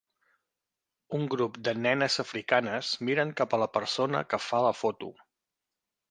Un grup de nenes africanes miren cap a la persona que fa la foto.